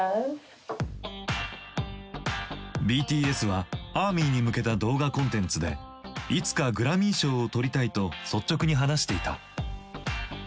ＢＴＳはアーミーに向けた動画コンテンツでいつかグラミー賞をとりたいと率直に話していた。